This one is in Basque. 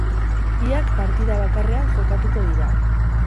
Biak partida bakarrean jokatuko dira.